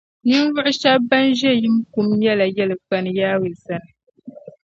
Ninvuɣ’ shɛb’ bɛn ʒe yim kum nyɛla yɛlikpani Yawɛ sani.